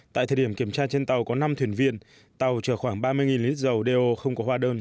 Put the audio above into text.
tại thời điểm kiểm tra trên tàu có năm thuyền viên tàu chở khoảng ba mươi lít dầu đeo không có hóa đơn